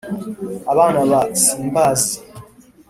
abana be simbazi